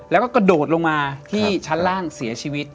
แล้วก็กระโดดลงมาที่ชั้นล่างเสียชีวิต